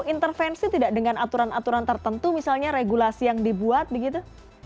intervensi tidak dengan aturan aturan tertentu misalnya regulasi yang dibuat begitu